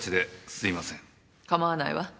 構わないわ。